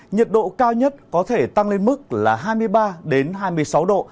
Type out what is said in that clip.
nhiệt độ cao nhất có thể tăng lên mức là hai mươi ba hai mươi sáu độ